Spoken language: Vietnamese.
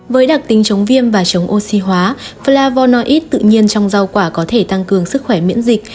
với đặc tính chống viêm và chống oxy hóa plavornoid tự nhiên trong rau quả có thể tăng cường sức khỏe miễn dịch